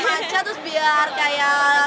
takut macet terus biar kayak